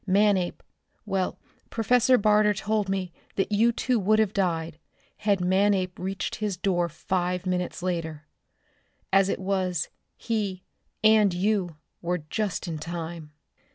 Manape well, Professor Barter told me that you too would have died, had Manape reached his door five minutes later. As it was, he, and you, were just in time!"